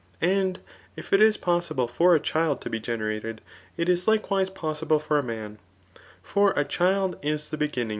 And if it is possible for a child to be generated, it is likewise posable for a man ; for a child is the begianmg, CHAF.